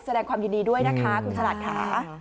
แสดงความยินดีด้วยนะคะคุณฉลัดค่ะ